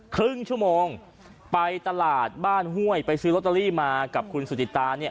ครึ่งชั่วโมงไปตลาดบ้านห้วยไปซื้อลอตเตอรี่มากับคุณสุจิตาเนี่ย